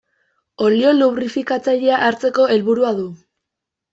Olio lubrifikatzailea hartzeko helburua du.